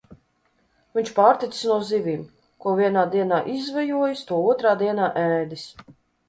Viņš pārticis no zivīm: ko vienā dienā izzvejojis, to otrā dienā ēdis.